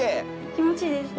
気持ちいいですか。